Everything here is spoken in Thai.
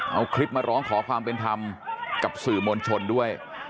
เอาคลิปมาร้องขอความเป็นธรรมกับสื่อมวลชนด้วย